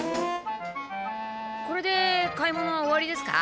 これで買い物は終わりですか？